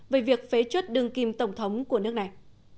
về việc phế chuất đương kim tổng thống của nước này